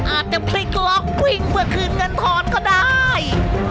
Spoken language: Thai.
อาจจะพลิกล็อกวิ่งเพื่อคืนเงินทอนก็ได้